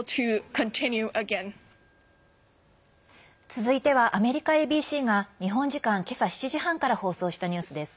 続いては、アメリカＡＢＣが日本時間けさ７時半から放送したニュースです。